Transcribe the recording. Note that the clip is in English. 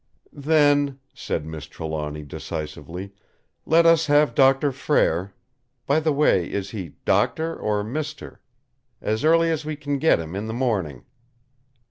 "Then," said Miss Trelawny decisively, "let us have Doctor Frere—by the way, is he 'Doctor' or 'Mister'?—as early as we can get him in the morning!"